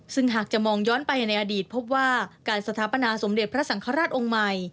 ซึ่งหากจะมองย้อนไปในอดีตพบว่าการสถาปนาสมเด็จพระสังฆราชองค์ใหม่